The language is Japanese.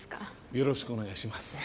よろしくお願いします。